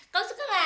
kamu suka nggak